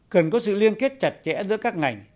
cần có sự liên kết chặt chẽ giữa các ngành